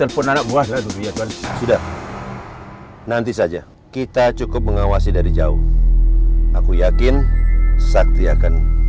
pas di tengah kontak